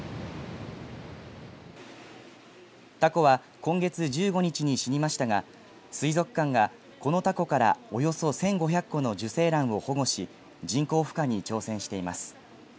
タコは今月１５日に死にましたが水族館がこのタコからおよそ１５００個の受精卵を保護し人工ふ化に挑戦しています。